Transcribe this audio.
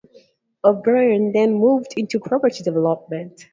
O'Brien then moved into property development.